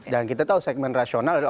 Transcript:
dan kita tahu segmen rasional adalah